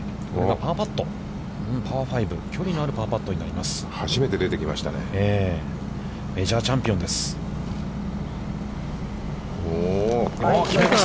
パー５、距離のあるパーパットになります。